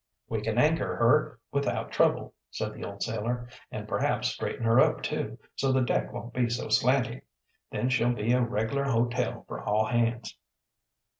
"We can anchor her without trouble," said the old sailor. "And perhaps straighten her up too, so the deck won't be so slanty. Then she'll be a reg'lar hotel for all hands."